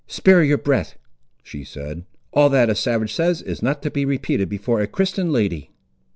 "Spare your breath," she said, "all that a savage says is not to be repeated before a Christian lady."